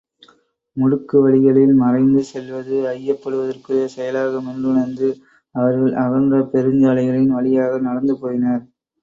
முடுக்கு வழிகளில் மறைந்து செல்வது ஐயப்படுவதற்குரிய செயலாகும் என்றுணர்ந்து அவர்கள் அகன்ற பெருஞ்சாலைகளின் வழியாகவே நடந்து போயினர்.